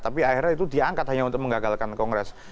tapi akhirnya itu diangkat hanya untuk mengagalkan kongres